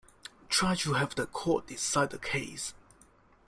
Try to have the court decide the case.